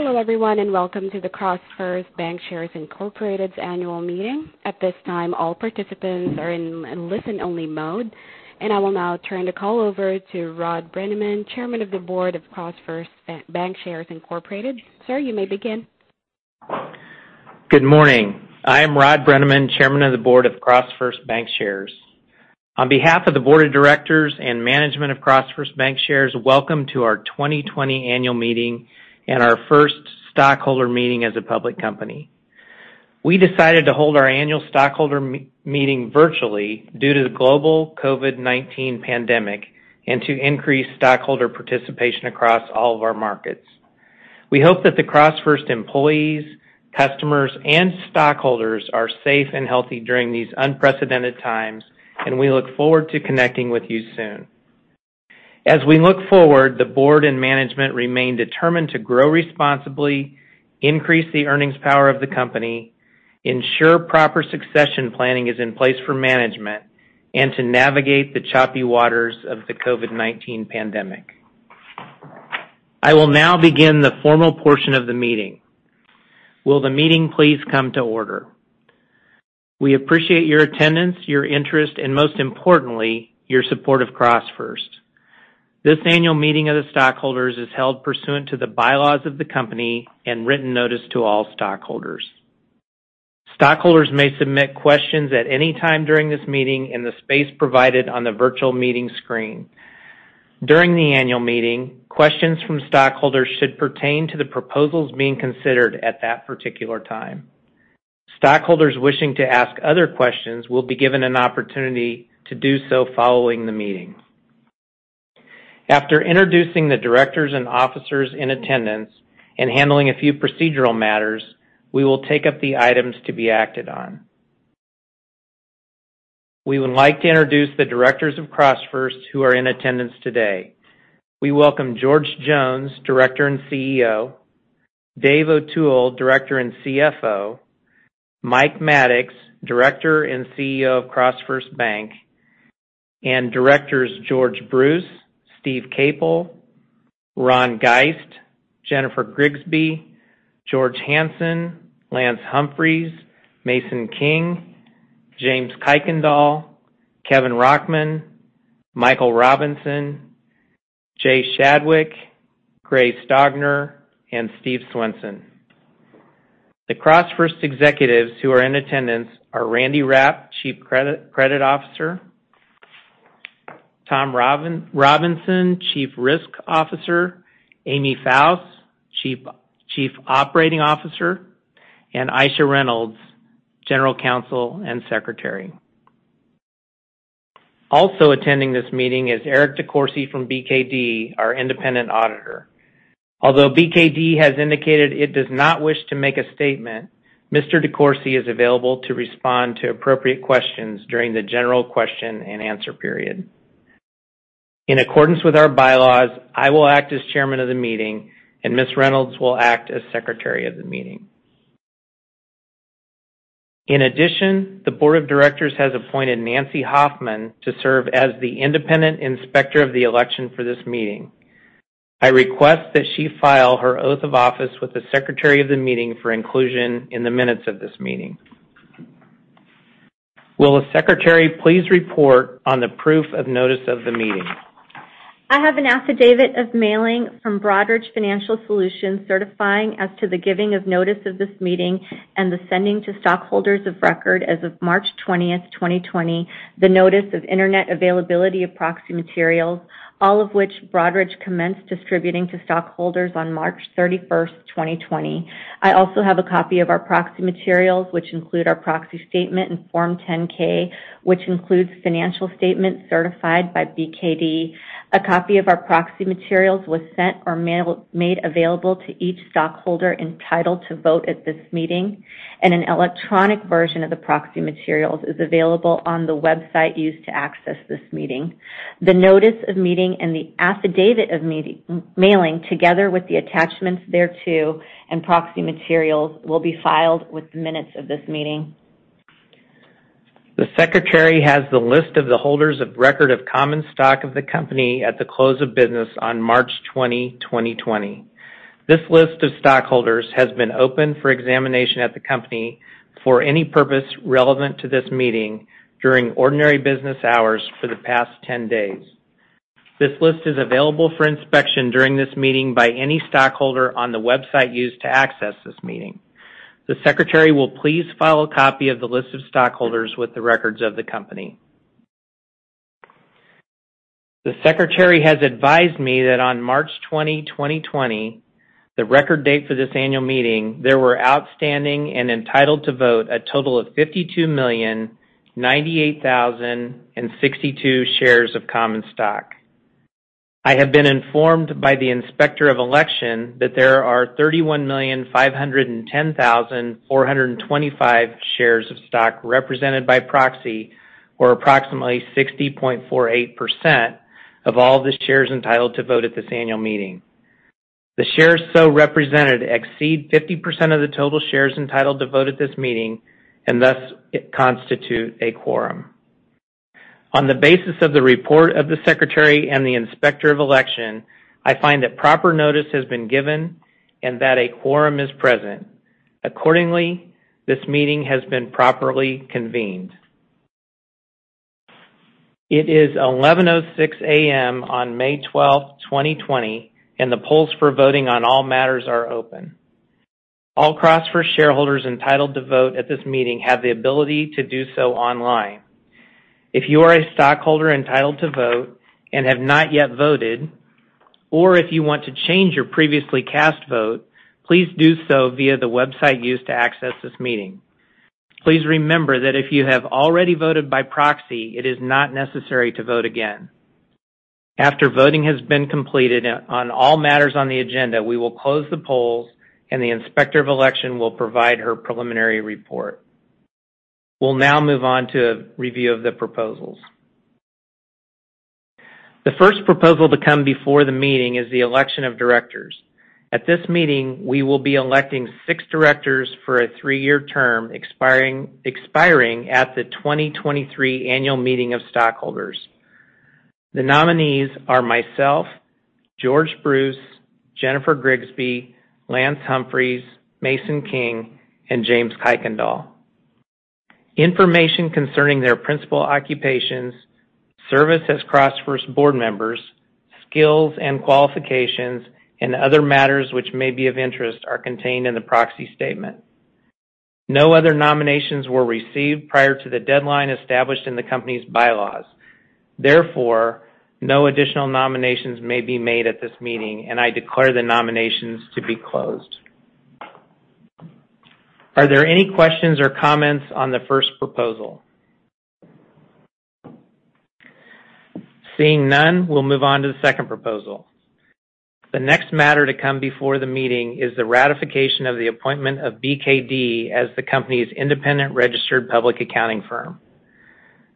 Hello everyone, and welcome to the CrossFirst Bankshares Incorporated Annual Meeting. At this time, all participants are in listen-only mode. I will now turn the call over to Rod Brenneman, Chairman of the Board of CrossFirst Bankshares Incorporated. Sir, you may begin. Good morning. I am Rod Brenneman, Chairman of the Board of CrossFirst Bankshares. On behalf of the Board of Directors and management of CrossFirst Bankshares, welcome to our 2020 annual meeting and our first stockholder meeting as a public company. We decided to hold our annual stockholder meeting virtually due to the global COVID-19 pandemic and to increase stockholder participation across all of our markets. We hope that the CrossFirst employees, customers, and stockholders are safe and healthy during these unprecedented times, and we look forward to connecting with you soon. As we look forward, the board and management remain determined to grow responsibly, increase the earnings power of the company, ensure proper succession planning is in place for management, and to navigate the choppy waters of the COVID-19 pandemic. I will now begin the formal portion of the meeting. Will the meeting please come to order? We appreciate your attendance, your interest, and most importantly, your support of CrossFirst. This annual meeting of the stockholders is held pursuant to the bylaws of the company and written notice to all stockholders. Stockholders may submit questions at any time during this meeting in the space provided on the virtual meeting screen. During the annual meeting, questions from stockholders should pertain to the proposals being considered at that particular time. Stockholders wishing to ask other questions will be given an opportunity to do so following the meeting. After introducing the directors and officers in attendance and handling a few procedural matters, we will take up the items to be acted on. We would like to introduce the directors of CrossFirst who are in attendance today. We welcome George Jones, Director and CEO, Dave O'Toole, Director and CFO, Mike Maddox, Director and CEO of CrossFirst Bank, and directors George Bruce, Steve Caple, Ron Geist, Jennifer Grigsby, George Hansen, Lance Humphreys, Mason King, James Kuykendall, Kevin Rauckman, Michael Robinson, Jay Shadwick, Grey Stogner, and Steve Swenson. The CrossFirst executives who are in attendance are Randy Rapp, Chief Credit Officer, Tom Robinson, Chief Risk Officer, Amy Fauss, Chief Operating Officer, and Aisha Reynolds, General Counsel and Secretary. Also attending this meeting is Eric DeCoursey from BKD, our independent auditor. Although BKD has indicated it does not wish to make a statement, Mr. DeCoursey is available to respond to appropriate questions during the general question and answer period. In accordance with our bylaws, I will act as chairman of the meeting, and Ms. Reynolds will act as secretary of the meeting. In addition, the board of directors has appointed Nancy Hoffman to serve as the independent inspector of the election for this meeting. I request that she file her oath of office with the secretary of the meeting for inclusion in the minutes of this meeting. Will the secretary please report on the proof of notice of the meeting? I have an affidavit of mailing from Broadridge Financial Solutions certifying as to the giving of notice of this meeting and the sending to stockholders of record as of March 20th, 2020, the notice of internet availability of proxy materials, all of which Broadridge commenced distributing to stockholders on March 31st, 2020. I also have a copy of our proxy materials, which include our proxy statement and Form 10-K, which includes financial statements certified by BKD. A copy of our proxy materials was sent or made available to each stockholder entitled to vote at this meeting, and an electronic version of the proxy materials is available on the website used to access this meeting. The notice of meeting and the affidavit of mailing, together with the attachments thereto and proxy materials, will be filed with the minutes of this meeting. The secretary has the list of the holders of record of common stock of the company at the close of business on March 20, 2020. This list of stockholders has been open for examination at the company for any purpose relevant to this meeting during ordinary business hours for the past 10 days. This list is available for inspection during this meeting by any stockholder on the website used to access this meeting. The secretary will please file a copy of the list of stockholders with the records of the company. The secretary has advised me that on March 20, 2020, the record date for this annual meeting, there were outstanding and entitled to vote a total of 52,098,062 shares of common stock. I have been informed by the Inspector of Election that there are 31,510,425 shares of stock represented by proxy, or approximately 60.48% of all the shares entitled to vote at this annual meeting. The shares so represented exceed 50% of the total shares entitled to vote at this meeting and thus it constitutes a quorum. On the basis of the report of the Secretary and the Inspector of Election, I find that proper notice has been given and that a quorum is present. Accordingly, this meeting has been properly convened. It is 11:06 A.M. on May 12, 2020, and the polls for voting on all matters are open. All CrossFirst shareholders entitled to vote at this meeting have the ability to do so online. If you are a stockholder entitled to vote and have not yet voted, or if you want to change your previously cast vote, please do so via the website used to access this meeting. Please remember that if you have already voted by proxy, it is not necessary to vote again. After voting has been completed on all matters on the agenda, we will close the polls, and the Inspector of Election will provide her preliminary report. We'll now move on to a review of the proposals. The first proposal to come before the meeting is the election of directors. At this meeting, we will be electing six directors for a three-year term expiring at the 2023 Annual Meeting of Stockholders. The nominees are myself, George Bruce, Jennifer Grigsby, Lance Humphreys, Mason King, and James Kuykendall. Information concerning their principal occupations, service as CrossFirst board members, skills and qualifications, and other matters which may be of interest are contained in the proxy statement. No other nominations were received prior to the deadline established in the company's bylaws. Therefore, no additional nominations may be made at this meeting, and I declare the nominations to be closed. Are there any questions or comments on the first proposal? Seeing none, we'll move on to the second proposal. The next matter to come before the meeting is the ratification of the appointment of BKD as the company's independent registered public accounting firm.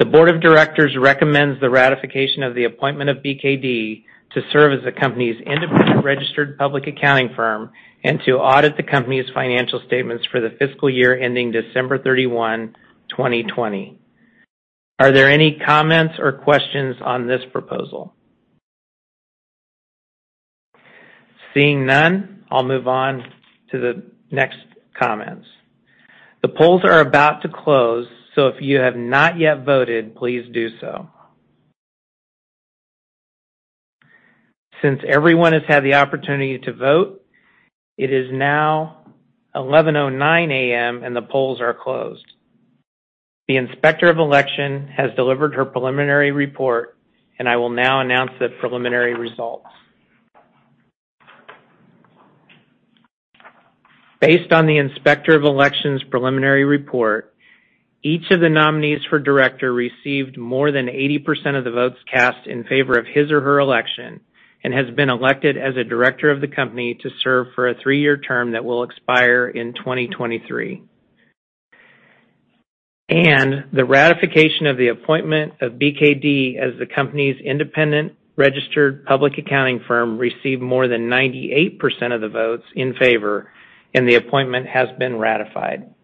The board of directors recommends the ratification of the appointment of BKD to serve as the company's independent registered public accounting firm and to audit the company's financial statements for the fiscal year ending December 31, 2020. Are there any comments or questions on this proposal? Seeing none, I'll move on to the next comments. The polls are about to close, so if you have not yet voted, please do so. Since everyone has had the opportunity to vote, it is now 11:09 A.M. and the polls are closed. The Inspector of Election has delivered her preliminary report, and I will now announce the preliminary results. Based on the Inspector of Election's preliminary report, each of the nominees for director received more than 80% of the votes cast in favor of his or her election and has been elected as a director of the company to serve for a three-year term that will expire in 2023. The ratification of the appointment of BKD as the company's independent registered public accounting firm received more than 98% of the votes in favor, and the appointment has been ratified.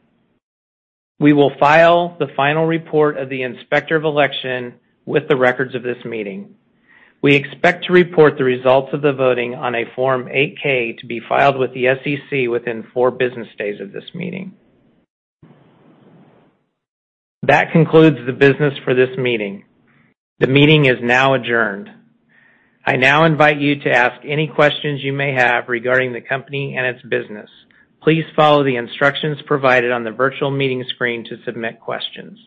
We will file the final report of the Inspector of Election with the records of this meeting. We expect to report the results of the voting on a Form 8-K to be filed with the SEC within four business days of this meeting. That concludes the business for this meeting. The meeting is now adjourned. I now invite you to ask any questions you may have regarding the company and its business. Please follow the instructions provided on the virtual meeting screen to submit questions.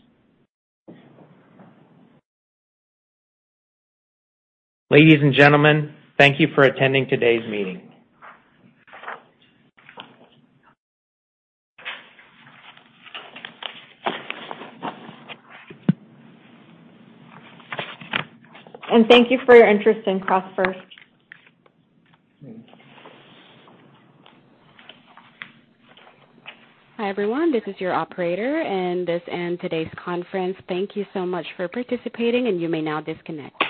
Ladies and gentlemen, thank you for attending today's meeting. Thank you for your interest in CrossFirst. Hi, everyone. This is your operator. This ends today's conference. Thank you so much for participating. You may now disconnect.